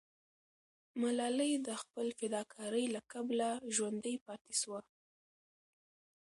ملالۍ د خپل فداکارۍ له کبله ژوندی پاتې سوه.